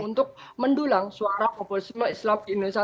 untuk mendulang suara populisme islam di indonesia